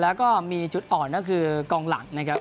แล้วก็มีจุดอ่อนก็คือกองหลังนะครับ